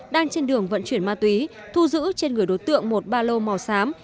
đang trên đường vận chuyển ma túy thu giữ trên người đối tượng một ba lô màu xám